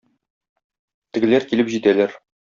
Тегеләр килеп җитәләр.